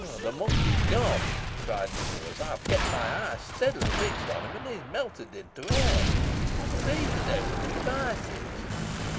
"The monk is gone," cried Nicholas; "I have kept my eyes steadily fixed on him, and he has melted into air. What has he to do with the Devices?"